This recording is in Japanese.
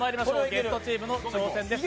ゲストチームの挑戦です。